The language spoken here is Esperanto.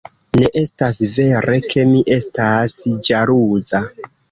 Ne estas vere, ke mi estas ĵaluza.